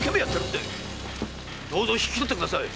どうぞ引き取ってください。